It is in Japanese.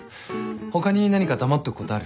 他に何か黙っとくことある？